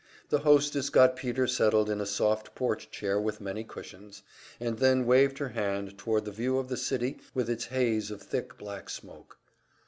The hostess got Peter settled in a soft porch chair with many cushions, and then waved her hand toward the view of the city with its haze of thick black smoke.